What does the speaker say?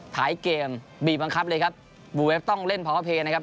ท้ายเกมบีบบังคับเลยครับบูเวฟต้องเล่นพอเพย์นะครับ